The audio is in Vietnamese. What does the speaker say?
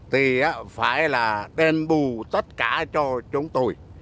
thì phải là đền bù tất cả cho chúng tôi